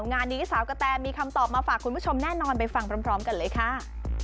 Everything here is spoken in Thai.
งานนี้สาวกะแตมีคำตอบมาฝากคุณผู้ชมแน่นอนไปฟังพร้อมกันเลยค่ะ